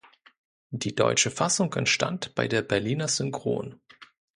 Die deutsche Fassung entstand bei der Berliner Synchron.